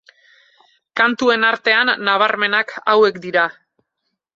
Kantuen artean, nabarmenak hauek dira.